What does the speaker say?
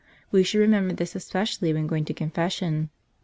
We should remember this especially when going to confession.